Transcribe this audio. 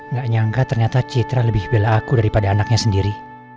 gak nyangka ternyata citra lebih bela aku daripada anaknya sendiri